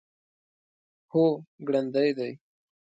هو، ګړندی دی